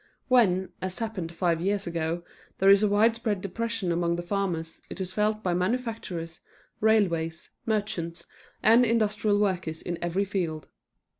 When, as happened five years ago, there is a widespread depression among the farmers, it is felt by manufacturers, railways, merchants and industrial workers in every field.